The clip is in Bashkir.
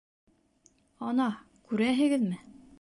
— Ана, күрәһегеҙме?